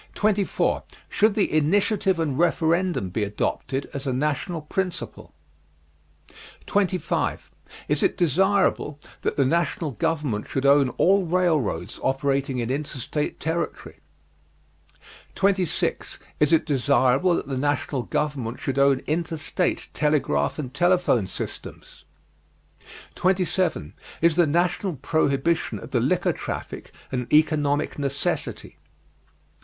Should the Initiative and Referendum be adopted as a national principle? 25. Is it desirable that the national government should own all railroads operating in interstate territory? 26. Is it desirable that the national government should own interstate telegraph and telephone systems? 27. Is the national prohibition of the liquor traffic an economic necessity?